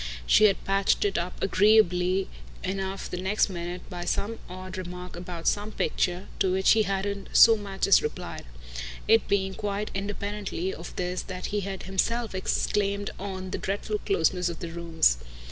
She had patched it up agreeably enough the next minute by some odd remark about some picture, to which he hadn't so much as replied; it being quite independently of this that he had himself exclaimed on the dreadful closeness of the rooms.